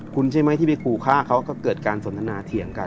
คุณใช่ไหมที่ไปขู่ฆ่าเขาก็เกิดการสนทนาเถียงกัน